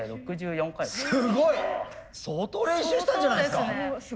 すごい！相当練習したんじゃないですか？